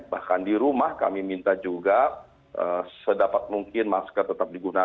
bahkan di rumah kami minta juga sedapat mungkin masker tetap digunakan